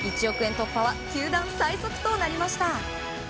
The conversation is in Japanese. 突破は球団最速となりました。